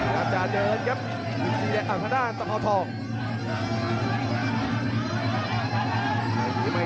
กำลังจะเดินครับพอทอง